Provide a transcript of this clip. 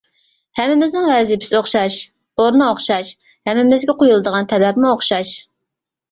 ھەممىمىزنىڭ ۋەزىپىسى ئوخشاش، ئورنى ئوخشاش، ھەممىمىزگە قويۇلىدىغان تەلەپمۇ ئوخشاش.